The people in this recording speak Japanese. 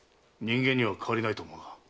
人間には変わりないと思うが？